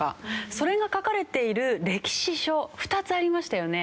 それが書かれている歴史書２つありましたよね？